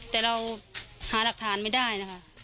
แต่เราหาหลักฐานไม่ได้นะคะ